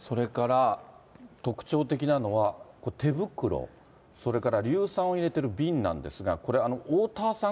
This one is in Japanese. それから特徴的なのは、手袋、それから硫酸を入れてる瓶なんですが、これ、おおたわさん